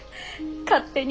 勝手に。